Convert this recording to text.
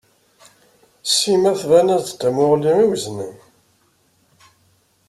Sima tban-as-d d tamuɣli i weznen.